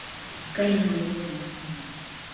Okaina uruena fɨnode.